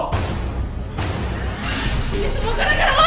dia semua gara gara mona